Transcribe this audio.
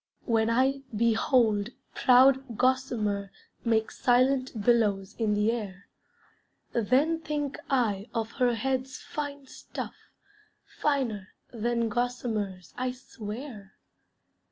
When I behold proud gossamer Make silent billows in the air, Then think I of her head's fine stuff, Finer than gossamer's, I swear.